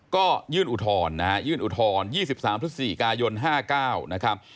ก็ยื่นอุทรยื่นอุทร๒๓๔กาย๕๙นะครับ